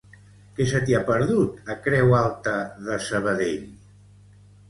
Què se t'hi ha perdut, a Creu alta de Sabadell?